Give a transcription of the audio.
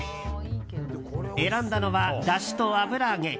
選んだのは、だしと油揚げ。